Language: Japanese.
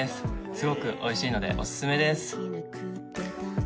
すごくおいしいのでおすすめです